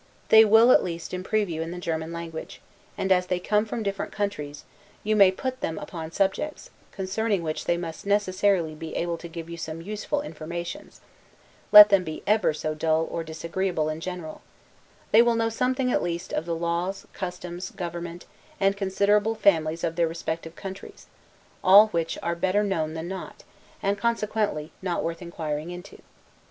They will, at least, improve you in the German language; and, as they come from different countries, you may put them upon subjects, concerning which they must necessarily be able to give you some useful informations, let them be ever so dull or disagreeable in general: they will know something, at least, of the laws, customs, government, and considerable families of their respective countries; all which are better known than not, and consequently worth inquiring into.